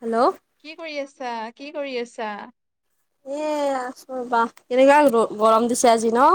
Hello. কি কৰি আছা? কি কৰি আছা? এ আছো ৰবা কেনেকুৱা গৰম দিছে আজি ন।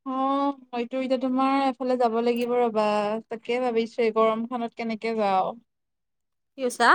[inaudible] হয়তো এতিয়া তোমাৰ এফালে যাব লাগিব ৰবা তাকে ভাবিছো এই গৰম খনত কেনেকে যাও। কি কৈছা?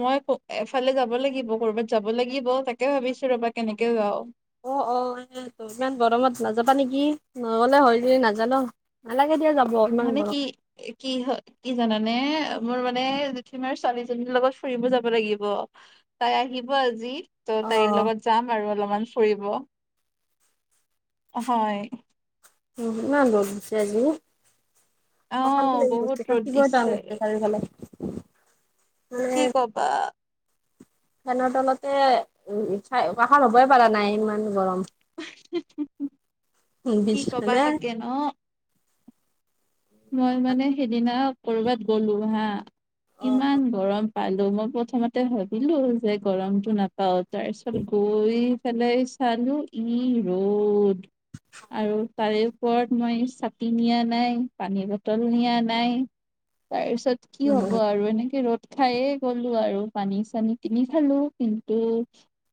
মই এফালে যাব লাগিব কৰ'বাত যাব লাগিব তাকে ভাবিছো ৰবা কেনেকে যাও। অ অ এ ত ইমান গৰমত নাযাবা নেকি। নগলে হয় যদি নাজালো নালাগে দিয়া যাব। ইমান মানে কি গৰম কি হয়? কি জানানে মোৰ মানে জুঠিমাৰ ছোৱালীজনীৰ লগত ফুৰিব যাব লাগিব। তাই আহিব আজি। ত' অ তাইৰ লগত যাম আৰু অলপমান ফুৰিব হয়। উ ইমান গৰম দিছে আজি। অশান্তি অ', লাগি বহুত গৈছে ৰ'দ থাকিব টান দিছে, লাগিছে চাৰিওফালে। মানে কি ক'বা? ফেনৰ তলতে, উম! চাই বাহাৰ হ'বই পাৰা নাই, ইমান গৰম। [unintelligible] উম! কি [unintelligible] [unintelligible] মই মানে, সেইদিনা ক'ৰবাত গ'লো হা, অ ইমান গৰম। পালোঁ। মই প্ৰথমতে ভাবিলোঁ! যে, গৰমটো নাপাওঁ। তাৰপিছত, গৈ পেলাই চালোঁ, কি ৰ'দ। আৰু তাৰে, ওপৰত মই, ছাতি নিয়া নাই, পানীৰ বটল নিয়া নাই। তাৰপিছত, কি অ হ'ব আৰু এনেকে, ৰ'দ খাইয়ে গ'লো আৰু পানী- চানী কিনি খালোঁ। কিন্তু,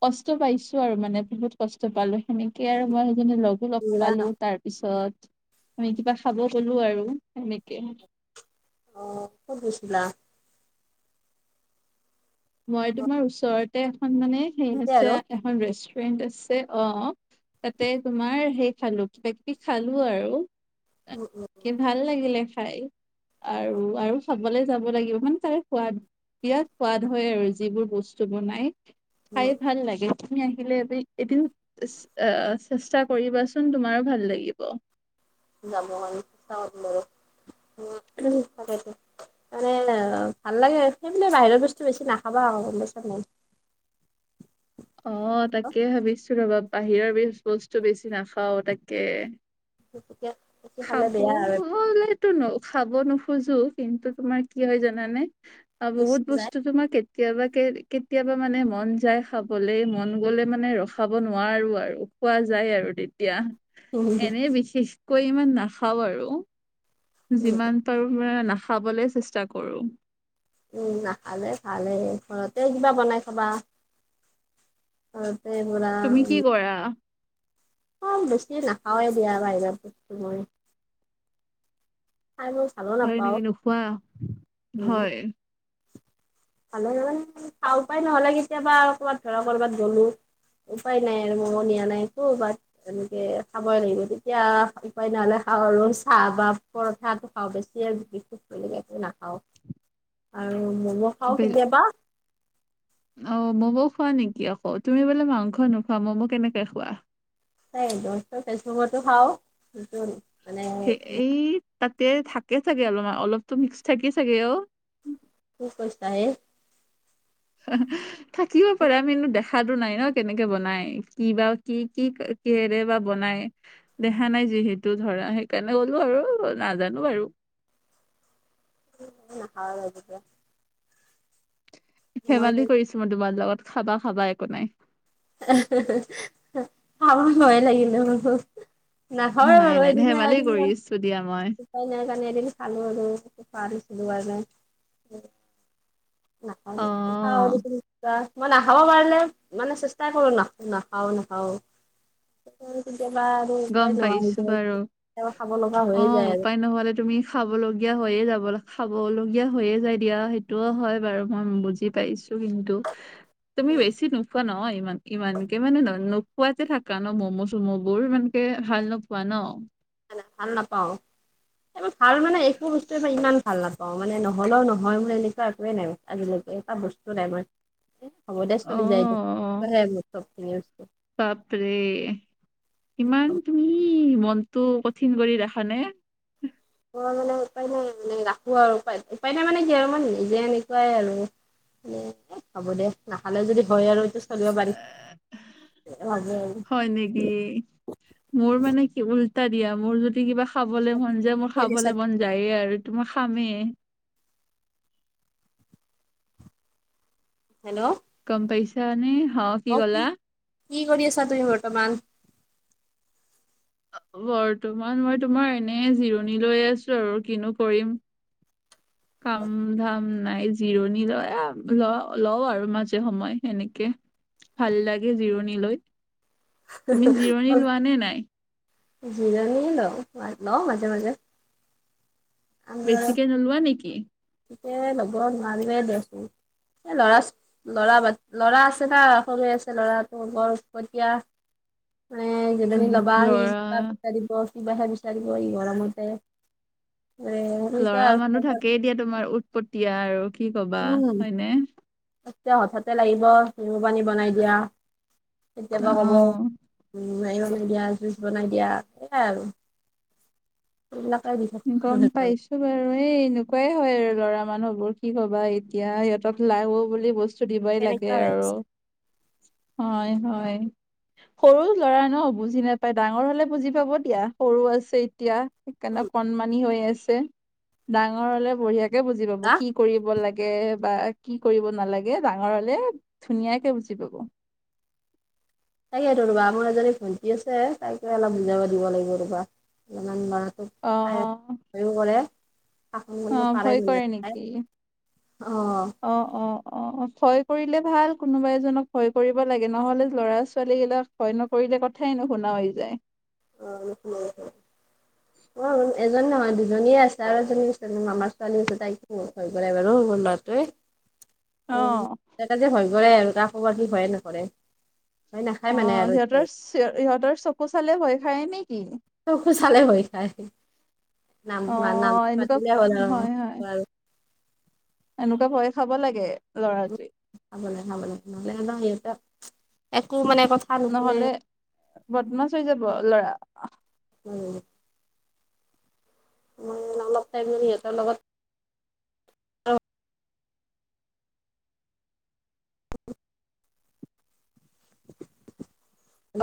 কষ্ট পাইছোঁ আৰু মানে, বহুত কষ্ট পালোঁ। সেনেকে আৰু মই সেইজনি লগ লগ পালোঁ। তাৰপিছত, আমি কিবা খাব গলোঁ আৰু সনেকে। অ'! ক'ত গৈছিলা? মই তোমাৰ, ওচৰতে এখন মানে, সেই এতিয়া আছে, আৰু এখন ৰেষ্টুৰেন্ট আছে। অ'! তাতে, তোমাৰ সেই খালোঁ, কিবা-কিবি খালোঁ আৰু। উম! উম! কি ভাল লাগিলে, খাই! আৰু আৰু খা খাবলৈ যাব লাগিব। মানে, তাৰ সোৱাদ বিৰাট, সোৱাদ হয় আৰু যিবোৰ বস্তু বনাই। খাই উম ভাল লাগে। তুমি আহিলে এদিন, এদিন আঁ চেষ্টা কৰিবাচোন? তোমাৰো ভাল লাগিব। [unintelligible] মানে, ভাল লাগে। সেইবুলিয়ে, বাহিৰৰ বস্তু বেছি নাখাবা আৰু? অ'! তাকে ভাবিছোঁ! ৰ'বা, বাহিৰৰ বে-বস্তু বেছি নাখাওঁ, তাকে। সেই, তেতিয়া। বেছি খালে খাব বেয়া আৰু হলেতো, ন' খাব নোখোজোঁ। কিন্তু, তোমাৰ কি হয়, জানানে? অ'! বহুত ইচ্ছা যায় বস্তু তোমাক, কে কেতিয়াবাকে, কেতিয়াবা মানে, মন যায় খাবলে! মন গ'লে মানে, ৰখাব নোৱাৰো আৰু। খোৱা যায় আৰু তেতিয়া। উম এনে, বিশেষকৈ ইমান নাখাওঁ আৰু। যিমান পাৰোঁ, তোমাৰ নাখাবলৈ চেষ্টা কৰোঁ। উম! নাখালে ভালে। ঘৰতে কিবা বনাই খাবা? ঘৰতে তুমি বনাম। কি কৰা অ'! বেছি নাখাওঁয়ে দিয়া, বাহিৰা বস্তু মই। আৰু হয় নেকি! নোখোৱা? উম হয়। [unintelligible] নহ'লে কেতিয়াবা, ক'ৰবাত ধৰা, কৰ'বাত গ'লোঁ। উপায় নাই আৰু! মইও নিয়া নাই একো। বাত এনেকে খাবই লাগিব। তেতিয়া, উপাই নহ'লে খাওঁ আৰু চাহ বা পৰঠাটো খাওঁ, বেছিয়ে [unintelligible] নাখাওঁ। আৰু ম'ম' খাওঁ বেল- কেতিয়াবা। অ'! ম'ম' খোৱা নেকি? আকৌ, তুমি বোলে মাংস নোখোৱা, ম'ম' কেনেকে খোৱা? [unintelligible] ভেজ ম'ম'তো খাওঁ। মানে কি এই, তাতে থাকে, চাগে অলপমান, অলপতো মিক্স থাকে চাগে, অ'! কি কৰিছা হে? [unintelligible] থাকিব পাৰে আমি। দেখা দেখাতো নাই ন'? কেনেকে বনাই, কিবা, কি কি কিহেৰে বা বনাই? দেখা নাই যিহেতু ধৰা। সেইকাৰণে, গ'লো আৰু নাজানোঁ বাৰু। [unintelligible] মই ধেমালি কৰিছোঁ, মই তোমাৰ লগত। খাবা-খাবা, একো নাই। [unintelligible] খাব ভয় লাগিলে মোৰ। নাই হোৱা [unintelligible] তু দিয়া মাই উপাই নাই কাৰণে এদিন খালো আৰু এইটো পাৰিছিলোঁ কাৰনে। অ নাখাওঁ [unintelligible] মই নাখাব পাৰিলে মানে চেষ্টা কৰো নাখ- নাখাওঁ ওঁ। কেতিয়াবা আৰু গম উপায় নহোৱা পাইছো যাই বাৰু কেতিয়াবা খাব লগা হয়ে। অ, উপায় নহ'লে তুমি খাবলগীয়া হৈয়ে যাব খাবলগীয়া হৈয়ে যায় দিয়া সেইটোও হয় বাৰু মই বুজি পাইছোঁ। তো কিন্তু [unintelligible] তুমি বেছি নোখোৱা নহয় ইমান- ইমানকে মানে ন- নোখোৱা কে থাকা ন' ম'ম'- চম' বোৰ মানে কে ভাল নোপোৱা ন? [unintelligible] ভাল নাপাওঁ এইবাৰ ভাল মানে একো বস্তুই ইমান ভাল নাপাওঁ। অ, মানে নহ'লও নহয় মোৰ এনেকুৱা একোৱেই নাই আজিলৈকে এটা বস্তু নাই মই এ হ'ব দে চলি যায় এইটো অ', [unintelligible] বাপৰে এ মই ইমান তুমি মনটো কঠিন কৰি ৰাখা নে? অ, মানে উপায় নাই মানে ৰাখো আৰু উপায় - উপায় নাই মানে কি আৰু মানে নিজে এনেকুৱাই আৰু। [unintelligible] এ হ'ব দে নাখালেও যদি হয় আৰু এইটো চলিব পাৰি এনেকে ভাবো আৰু। হয় নেকি? মোৰ মানে কি উল্টা দিয়া মোৰ যদি কিবা খাবলে মন যায় কি মোৰ কৰি আছা খাবলে মন যায়ে আৰু। তো মই খামে। হেল্ল', গম পইচা নে হ, কি কলা? কি কৰি আছা তুমি বৰ্তমান? বৰ্তমান মই তোমাৰ এনে জিৰণি লৈ আছোঁ আৰু কিনো কৰিম। কাম ধাম নাই যে জিৰণি লয় এ লওঁ - লওঁ আৰু মাজে সময়ে সেনেকে। ভাল লাগে জিৰণি লৈ। তুমি জিৰণি [unintelligible] লোৱা নে নাই জিৰণি লওঁ- লওঁ মাজে -মাজে। বেছিকে নোলোৱা নেকি? ইটিয়াই ল'ব নোৱাৰিমে দেচোন এ ল'ৰা ল'ৰা বাদ ল'ৰা আছে না সৰুয়ে আছে ল'ৰাটো বৰ উৎপতীয়া। মানে জিৰণি উম ল'বা আহি লৰা উৎপাত এটা দিব। কিবাহে বিচাৰিব এই গৰমতে মানে সেনেকুৱা ল'ৰা আৰু মানুহ খবৰ থাকেই দিয়া তোমাৰ উৎপটীয়া আৰু কি কবা উম হয়নে? এতিয়া হঠাতে লাগিব নেমু পানী বনাই দিয়া অ কেতিয়াবা ক'ব উম, [unintelligible] জুচ বনাই দিয়া সেয়াই আৰু। এইবিলাকে দি থাক গম পাইছ ত'বাৰু এই এনেকুৱাই হয় আৰু ল'ৰা মানুহবোৰ কি কবা এতিয়া সিহঁতক লাগব বুলি বস্তু স্তু দিবই সেনেকুৱা লাগে হৈ আছে আৰু হয় -হয়। সৰু ল'ৰা ন' বুজি নেপাই ডাঙৰ হলে বুজি পাব দিয়া সৰু আছে এতিয়া। সেইকাৰণে উম কণমানি হৈ আছে ডাঙৰ হ'লে বঢ়িয়াকে বুজি পাব হা কি কৰিব লাগে বা কি কৰিব নালাগে ডাঙৰ হ'লে ধুনীয়াকে বুজি পাব। তাকেইতো ৰবা আমাৰ এজনী ভণ্টি আছে তাইকে অলপ বুজাব দিব লাগিব ৰ'বা অলপমান ল'ৰাটোক তাই অ', অ', ভয়ো কৰে শাসন কৰিব পাৰে ভয় কৰে ধুনিয়াকে নেকি অহ। অ', অ', অ', ভয় কৰিলে ভাল কোনোবা এজনক ভয় কৰিব লাগে নহ'লে ল'ৰা- ছোৱালীগিলাক ভয় নকৰিলে কথাই নুশুনা হৈ যায়। [unintelligible] এজনী নহয় দুজনীয়ে আছে আৰু এজনী আছে মামা ছোৱালী আছে তাইক হৈ পৰে বাৰু মোৰ ল'ৰাটোৱে। [unintelligible] অ, তাকে যে ভয় কৰেৰে আৰু কাকো বাকি ভয়ে নকৰে ভ নাখায় অ মানে আৰু সিহঁতৰ সিহঁতৰ চকু চালে ভয় খায় নেকি। চকু চালে ভয় খায় নাম অ নাম এনেকুৱা মাতিলে হ'ল আৰু হয় হয় আৰু এনেকুৱা ভয় খাব লাগে ল'ৰাটোৱে। খাব লাগে খাব লাগে নহলে ন সিহত একো মানে কথা। নুশুনে নহলে বদমাছ হৈ যাব ল'ৰা। হৈ যাব। মই অলপ টাইম সিহঁতৰ লগত।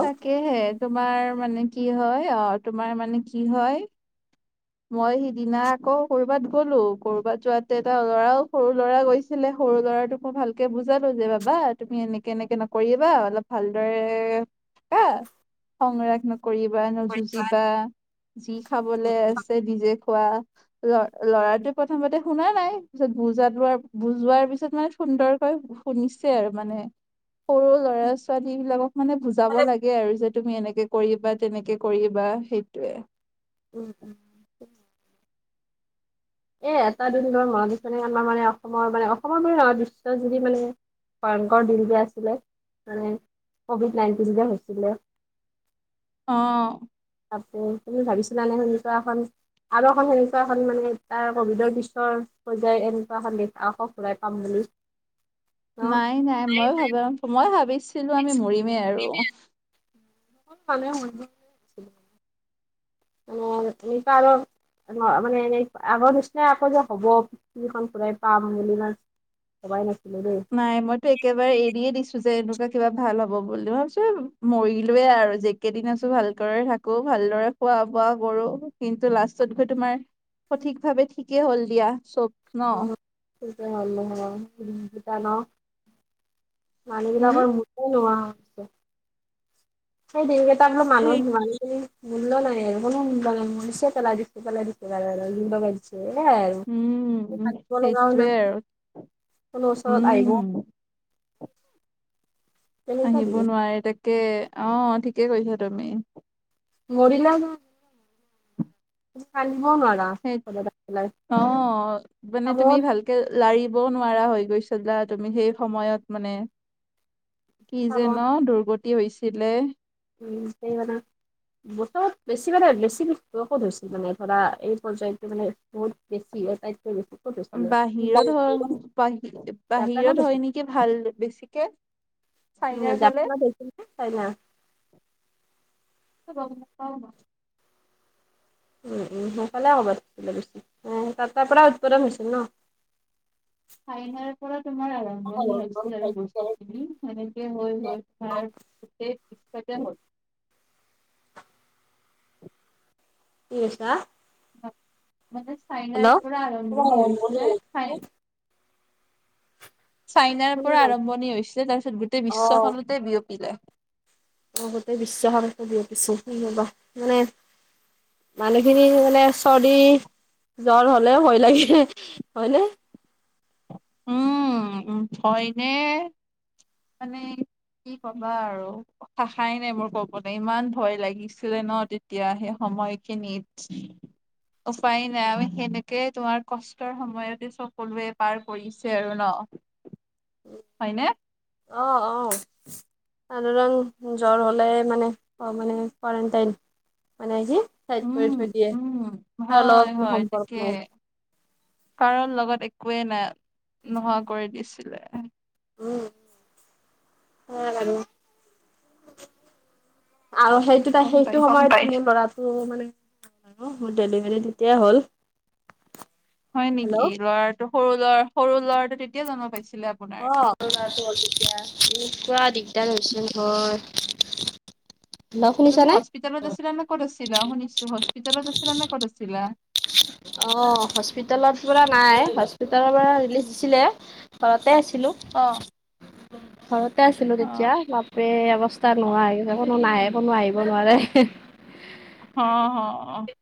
তাকেহে তোমাৰ মানে কি হয় অ তোমাৰ মানে কি হয়। মই সিদিনা আকৌ কৰবাত গ'লো কৰবাত যোৱাতে এটা ল'ৰাও সৰু ল'ৰা গৈছি লে সৰু ল'ৰাটোক মই ভালকে বুজালো যে বাবা তুমি এনেকে এনেকে নকৰিয়াবা অলপ ভালদৰে। কা খং ৰাগ নকৰিবা নযুঁজিবা যি খাবলৈ আছে। নিজে খোৱা। ল ল'ৰাটোৱে প্ৰথমতে শুনা নাই পিছত বুজাত লোৱাৰ বুজোৱাৰ পিছত মানে সুন্দৰকৈ। শুনিছে আৰু মানে সৰু ল'ৰা ছোৱালী বিলাকক। মানে বুজাব লাগে আৰু যে তুমি এনেকে কৰিবা তেনেকে কৰিবা সেইটোয়ে। উম উম, এ এটা দুদিনৰ মৰম চেনেহৰ মানে অসমৰ মানে অসমৰ মানে নহয় বিশ্ব জুৰি মানে। ভয়ংকৰ দিনকে আছিলে মানে কভিড নাইনটিন যে হৈছিলে। [inaudible] অ, তাতে তুমি ভাবিছিলা নে সেনেকা এখন আৰু এখন সেনেকুৱা এখন মানে। তাৰ কভিডৰ পিছৰ পৰ্যায় এনেকুৱা এখন দেশ আকৌ ঘুৰাই পাম বুলি নাই নাই ময় ভাবা মই ভাবিছিলো আমি মৰিমেই আৰু। চব ফালে হৈ গ'ল [unintelligible] মানে এনেই আগৰ নিচিনা আকৌ যে হ'ব পৃথিৱীখন ঘুৰাই পাম বুলি না ভবাই নাছিলো দেই। নাই মইতো একেবাৰে এৰিয়ে দিছো যে এনেকুৱা কিবা ভাল হব বুলি ভাবিছো মৰিলোৱয়ে আৰু যে কেইদিন আছো ভালক থাকো ভালদৰে খোৱা বোৱা কৰো কিন্তু লাষ্টত গৈ তোমাৰ। সঠিক ভাৱে ঠিকেই হ'ল দিয়া চব। অ ন সেইটো হ'ল ন ৰুম কেইটা ন [unintelligible] মানুহ উম বিলাকৰ মোকো নোৱাও। সেই দিনকেইটা বোলো মানুহ সেই মানুহ বুলি। মূল্য নাই আৰু কোনো বাগান মৰিছে পেলাই দিছে পেলাই দিছে জাগায় জাগায় জুই লগাই দিছে। [unintelligible] এ আৰু মো উম হাগব লগাও সেইটোৱে নাই। আৰু কোনো ওচৰত আহিব। উম তেনেকুৱা আহিব দিন নোৱাৰে তাকে অ ঠিকে কৈছা তুমি। মাৰিলেও নাই। তুমি কিন্দিব নোৱাৰা। সেইত ঘৰত আহি পেলাই অ মানে চাব তুমি ভাল। কে লাৰিবও নোৱাৰা হৈ গৈছিলা তুমি সেই সময়ত মানে। কি চাব যে ন দুৰ্গতি হৈছিলে। উম নিজেই বনাঙ [unintelligible] বছৰত বেছি মানে বেছিযোক ধৰিছিল মানে ধৰা এই পৰ্যায়টো মানে। বহুত বেছি আটাইটকৈ বেছি। ক'ত হৈছিলে বাহিৰত হয় বাহি জাপানত বাহিৰত হয় হৈছিলে নেকি ভাল বেছিকে। উ চাইনাৰ ফালে জাপান লৈছিলোঁ হে কাৰিলা। [unintelligible] উম উম সোনকালে হ'ব লাগিছিল উম তাৰ পৰা উৎপাদন হৈছিল ন। চাইনাৰ পৰা তোমাৰ আৰম্ভণি হৈছিল আৰু কি বস্তুখিনি। সেনেকে হৈ হৈ তোমাৰ গোটেই পিছতে হল। নিছা। মা মানে চাইনাৰ পৰা আৰম্ভণি হৈছে চাইন। চাইনাৰ শুনা পৰা নাই আৰম্ভণি হৈছিলে তাৰপিছত গোটেই অ', বিশ্বখনতে বিয়পিলে। অ গোটেই বিশ্বখনতে বিয়পিছে কি হবা মানে। মানুহখিনি মানে চৰ্দি জ্বৰ হলেও ভয় লাগে হয় নে। উম উম হয় নে, মানে। কি কবা আৰু। ভাষাই নাই মোৰ ক'বলে ইমান ভয় লাগিছিলে ন তেতিয়া সেই সময়খিনিত। [inaudible] উপায় নাই আমি সেনেকে তোমাৰ কষ্টৰ সময়তে চপ কৰোৱে পাৰ। কৰিছে আৰু ন। হয়নে। অঁ অঁ। আনোৰণ জ্বৰ হলে মানে ক মানে কোৱাৰেণ্টাইন। মানে সি ছাইড কৰি উম, থৈ দিয়ে উম, আৰু হয়, লগত কোনো হয় তাকে সম্পৰ্ক নাই। কাৰণ লগত একোৱেই নাই নোহোৱা কৰি দিছিলে। উম হয় বাৰু। আৰু সেইটো ত গম সেইটো পাইছো সময়তে ল'ৰাটো মানে। মোৰ ডেলিভাৰী তেতিয়াই হ'ল। হয় হেল্ল' নেকি ল'ৰাটো সৰু ল'ৰা সৰু ল'ৰাটো তেতিয়া জন্ম পাইছিলে আপুনি। অ অৰুণাচল তেতিয়া এনেকুৱা দিগদাৰ হৈছিলে নহয়। হেল্ল' অ তুমি শুনিছানে? হস্পিটেলত আছিলা না ক'ত আছিলা শুনিছোঁ হস্পিটেলত আছিলা না ক'ত আছিলা। অ হস্পিটেলত পৰা নাই হস্পিতালৰ পৰা ৰিলিজ দিছিলে। ঘৰতে আছিলোঁ। অঁ। ঘৰতে আছিলো তেতিয়া মাপ। ৰে অৱস্থা অ', নোহোৱা হৈছে কোনো নাহে কোনো আহিব নোৱাৰে। অ'হ, অ'হ, অ'হ।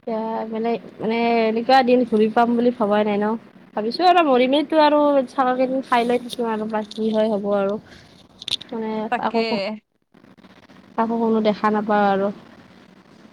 এতিয়া মানে মানে এনেকুৱা দিন ঘূৰি পাম বুলি ভবাই নাই ন। ভাবিছো আৰু মৰিমেই আৰু চাল খিনি খাই লৈ থাকিম আৰু বা কি হয় হ'ব আৰু। মানে আকৌ তাকে কাকো কোনো দেখা নাপাওঁ আৰু।